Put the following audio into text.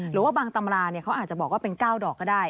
หรือว่าบางตำราเขาอาจจะบอกว่าเป็น๙ดอกก็ได้